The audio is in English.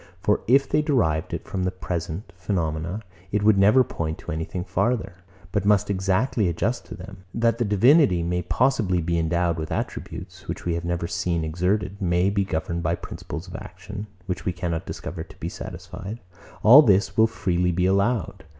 For if they derived it from the present phenomena, it would never point to anything farther, but must be exactly adjusted to them. That the divinity may possibly be endowed with attributes, which we have never seen exerted; may be governed by principles of action, which we cannot discover to be satisfied: all this will freely be allowed.